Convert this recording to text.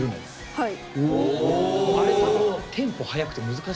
はい。